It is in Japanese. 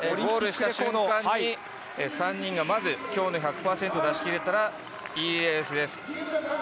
ゴールした瞬間に３人がまず今日の１００％を出し切れたらいいレースです。